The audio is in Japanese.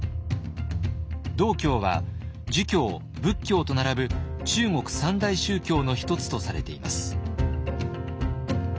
道教は儒教仏教と並ぶ中国三大宗教の一つとされています。